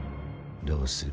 どうする？